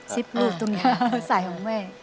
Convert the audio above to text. ซิสลูกตรงนี้ใส่ของแม่